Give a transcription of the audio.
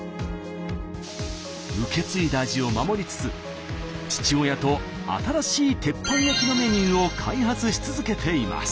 受け継いだ味を守りつつ父親と新しい鉄板焼きのメニューを開発し続けています。